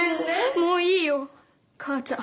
もういいよ母ちゃん。